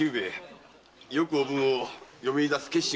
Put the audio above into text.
よくおぶんを嫁に出す決心をしたな。